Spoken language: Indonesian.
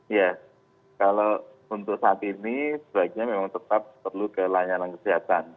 iya kalau untuk saat ini sebaiknya memang tetap perlu ke layanan kesehatan